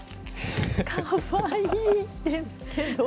かわいいですけど。